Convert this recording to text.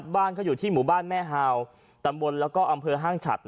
บ้านเขาอยู่ที่หมู่บ้านแม่ฮาวตำบลแล้วก็อำเภอห้างฉัด